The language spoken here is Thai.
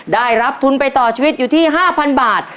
ได้รับทุนไปต่อชีวิตอยู่ที่๕๐๐บาท